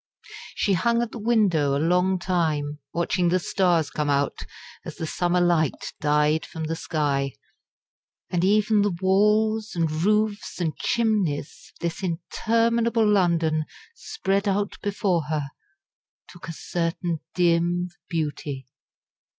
She hung at the window a long time, watching the stars come out, as the summer light died from the sky, and even the walls and roofs and chimneys of this interminable London spread out before her took a certain dim beauty.